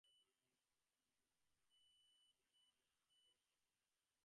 এত লম্বা আর কোনো জোড়া ছাড়া লেহেঙ্গা শাড়ি এর আগে তৈরি হয়নি।